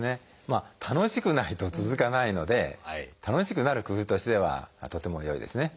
まあ楽しくないと続かないので楽しくなる工夫としてはとても良いですね。